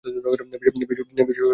বিশু মাথা খারাপ হয়ে গেছে!